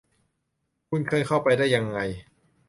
คุณเคยเข้าไปได้ยังไง